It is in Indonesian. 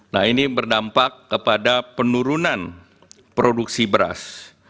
nah ini berdampak kepada penurunan produksi beras